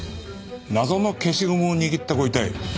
謎の消しゴムを握ったご遺体？